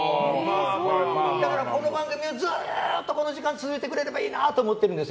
だからこの番組も、この時間が続いてくれればいいなと思ってるんです。